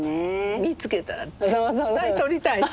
見つけたら絶対とりたいし。